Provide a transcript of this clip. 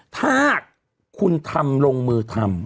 ถ้าคุณทำลงมือทำ